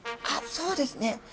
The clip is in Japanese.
あっそうですね。